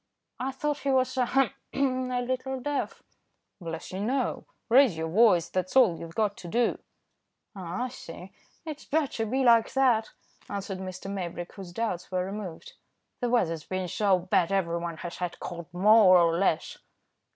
"I thought he was, ahem! a little deaf." "Bless you no, raise your voice, that's all you've got to do." "Ah! I see. It's bad to be like that," answered Mr. Maybrick, whose doubts were removed. "The weather's been so bad, everyone has had cold more or less."